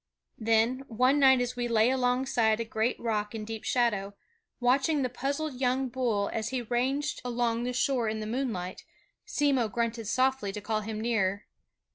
Then, one night as we lay alongside a great rock in deep shadow, watching the puzzled young bull as he ranged along the shore in the moonlight, Simmo grunted softly to call him nearer.